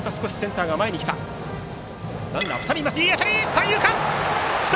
三遊間！